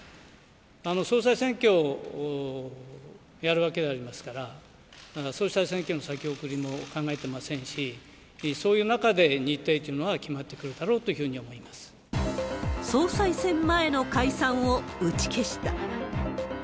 総裁選挙をやるわけでありますから、総裁選挙の先送りも考えていませんし、そういう中で日程というのは決まってくるだろうというふうには思総裁選前の解散を打ち消した。